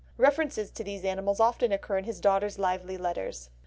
References to these animals often occur in his daughter's lively letters.